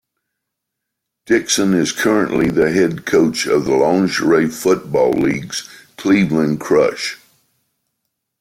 Dixon is currently the head coach of the Lingerie Football League's Cleveland Crush.